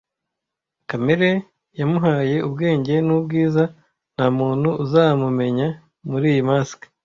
Kamere yamuhaye ubwenge nubwiza. Ntamuntu uzamumenya muriyi mask.